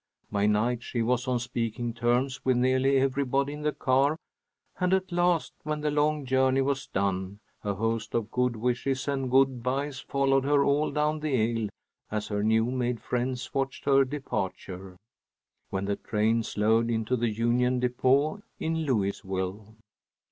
By night she was on speaking terms with nearly everybody in the car, and at last, when the long journey was done, a host of good wishes and good byes followed her all down the aisle, as her new made friends watched her departure, when the train slowed into the Union Depot in Louisville.